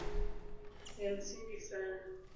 Ya msingi sana